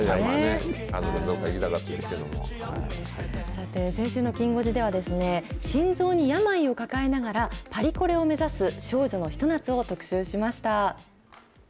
さて、先週のきん５時では、心臓に病を抱えながら、パリコレを目指す、少女のひと夏を特集しました。